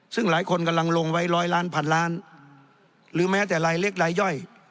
ซึ่งหลายคนกำลังลงไว้ร้อยล้านพันล้านหรือแม้แต่รายเล็กรายย่อย